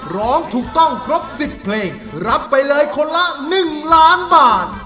ร้องถูกต้องครบ๑๐เพลงรับไปเลยคนละ๑ล้านบาท